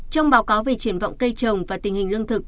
trong báo cáo về triển vọng cây trồng và tình hình lương thực